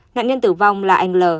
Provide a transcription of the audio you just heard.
nạn nhân tử vong là anh l